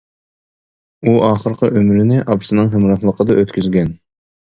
ئۇ، ئاخىرقى ئۆمرىنى ئاپىسىنىڭ ھەمراھلىقىدا ئۆتكۈزگەن.